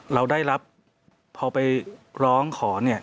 เราได้รับพอไปร้องขอ